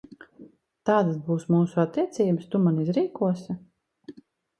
Tādas būs mūsu attiecības, tu mani izrīkosi?